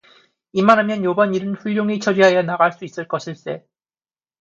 이만하면 요번 일은 훌륭히 처리하여 나갈 수 있을 것일세.